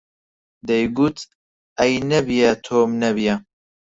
دەیگوت: ئەی نەبیە، تۆم نەبییە